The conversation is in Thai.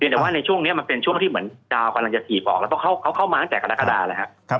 แต่ว่าในช่วงนี้มันเป็นช่วงที่เหมือนดาวกำลังจะถีบออกแล้วก็เขาเข้ามาตั้งแต่กรกฎาแล้วครับ